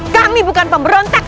kami bukan pemberontak